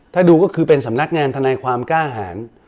ถ้าดูก็คือเป็นสำนักงานทนายความกล้าหาร